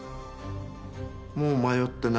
もう迷ってない。